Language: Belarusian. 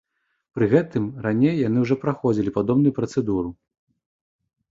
Пры гэтым, раней яны ўжо праходзілі падобную працэдуру.